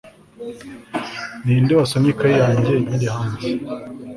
Ninde wasomye ikayi yanjye nkiri hanze